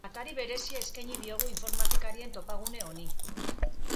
Atari berezia eskaini diogu informatikarien topagune honi.